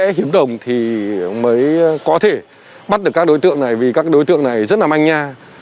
xe hữu đồng thì mới có thể bắt được các đối tượng này vì các đối tượng này rất là manh nha